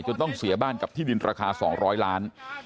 ต้องเสียบ้านกับที่ดินราคา๒๐๐ล้าน